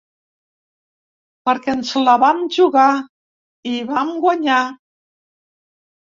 Perquè ens la vam jugar i vam guanyar.